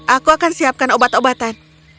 aku akan siapkan obat obatan